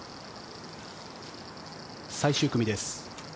最終組です。